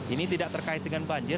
ini tidak terkait dengan banjir